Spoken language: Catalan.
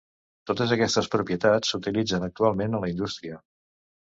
Totes aquestes propietats s'utilitzen actualment a la indústria.